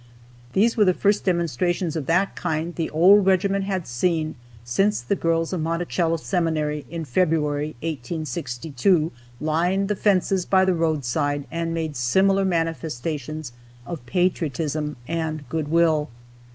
These were the first demonstrations of that kind the old regiment had seen since the girls of Monticello Seminary, in February, 1862, lined the fences by the road side and made similar manifestations of patriotism and good will.